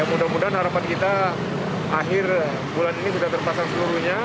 mudah mudahan harapan kita akhir bulan ini sudah terpasang seluruhnya